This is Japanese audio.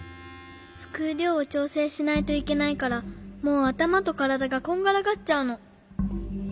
すくうりょうをちょうせいしないといけないからもうあたまとからだがこんがらがっちゃうの。